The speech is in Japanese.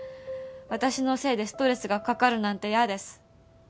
私のせいでストレスがかかるなんて嫌です。